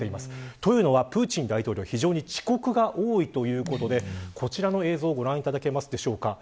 というのはプーチン大統領非常に遅刻が多いということでこちらの映像をご覧いただけますでしょうか。